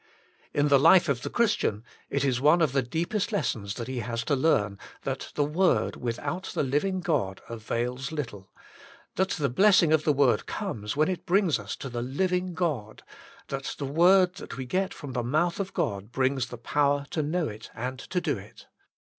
In the life of the Christian, it is one of the deepest lessons that he has to learn, that the Word without the living God avails little; that the blessing of the Word comes when it brings us to the living God; that the Word that we get from the mouth of God brings the power to know it and to do it.